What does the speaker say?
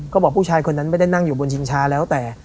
ก็บอกผู้ชายคนนั้นไม่ได้นั่งอยู่บนชิงชาแล้วแต่